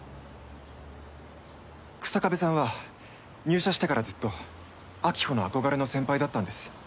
日下部さんは入社してからずっと晶穂の憧れの先輩だったんです。